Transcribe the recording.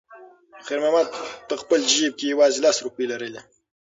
خیر محمد په خپل جېب کې یوازې لس روپۍ لرلې.